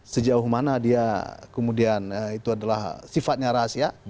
sejauh mana dia kemudian itu adalah sifatnya rahasia